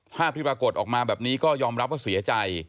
ภาพที่ปรากฏออกมาแบบนี้ก็ยอมรับว่าเสียใจ